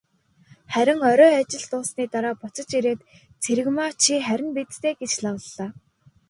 Харин орой ажил дууссаны дараа буцаж ирээд, "Цэрэгмаа чи харина биз дээ" гэж лавлалаа.